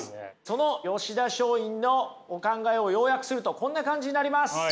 その吉田松陰のお考えを要約するとこんな感じになります。